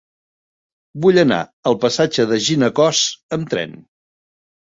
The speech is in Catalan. Vull anar al passatge de Ginecòs amb tren.